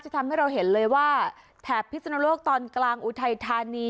ทำให้เราเห็นเลยว่าแถบพิศนโลกตอนกลางอุทัยธานี